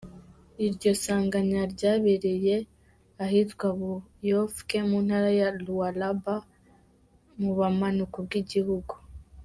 Iryo sanganya ryabereye ahitwa Buyofwe mu ntara ya Lualaba, mu bumanuko bw'igihugu.